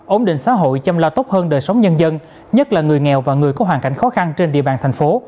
ổn định xã hội chăm lo tốt hơn đời sống nhân dân nhất là người nghèo và người có hoàn cảnh khó khăn trên địa bàn thành phố